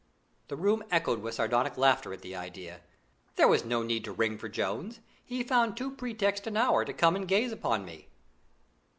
The room echoed with sardonic laughter at the idea. There was no need to ring for Jones; he found two pretexts an hour to come and gaze upon me.